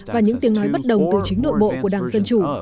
và những tiếng nói bất đồng từ chính nội bộ của đảng dân chủ